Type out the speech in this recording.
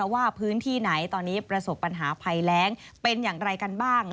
ว่าพื้นที่ไหนตอนนี้ประสบปัญหาภัยแรงเป็นอย่างไรกันบ้าง